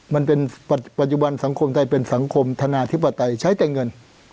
มันเป็นปัจจุบันสังคมไทยเป็นสังคมธนาธิปไตยใช้แต่เงิน